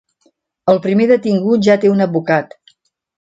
El primer detingut ja té un advocat.